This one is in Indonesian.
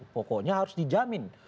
pokoknya harus dijamin